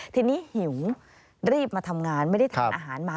ทีนี้หิวรีบมาทำงานไม่ได้ทานอาหารมา